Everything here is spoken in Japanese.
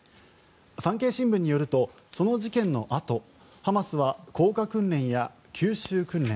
産経新聞によるとその事件のあとハマスは降下訓練や急襲訓練